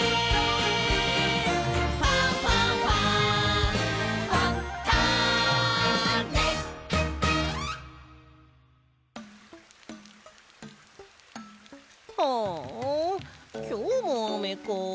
「ファンファンファン」はあきょうもあめか。